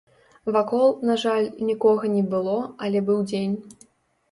Вакол, на жаль, нікога не было, але быў дзень.